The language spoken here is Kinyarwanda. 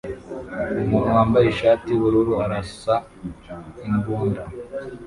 Umuntu wambaye ishati yubururu arasa imbunda